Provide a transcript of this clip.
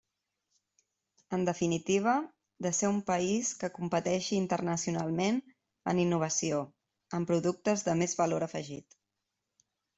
En definitiva, de ser un país que competeixi internacionalment en innovació, amb productes de més valor afegit.